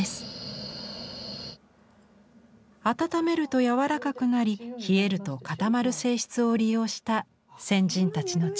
温めると柔らかくなり冷えると固まる性質を利用した先人たちの知恵です。